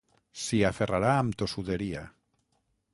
S'hi aferrarà amb tossuderia.